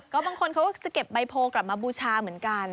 ก็บางคนเขาก็จะเก็บใบโพกลับมาบูชาเหมือนกัน